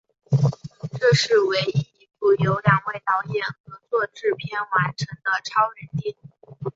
这是唯一一部由两位导演合作制片完成的超人电影。